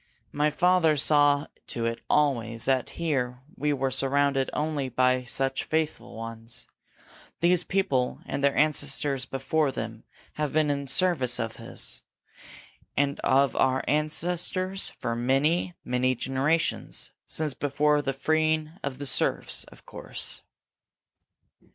My father saw to it always that here we were surrounded only by such faithful ones. These people and their ancestors before them have been in the service of us and of our ancestors for many, many generations since before the freeing of the serfs, of course."